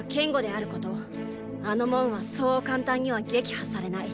あの門はそう簡単には撃破されない。